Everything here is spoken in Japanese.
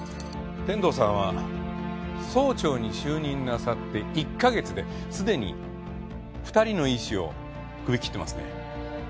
天堂さんは総長に就任なさって１か月ですでに２人の医師を首切ってますね。